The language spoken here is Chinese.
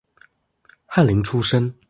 翰林出身。